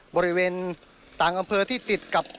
บริเวณต่างอำเภอที่ติดกับ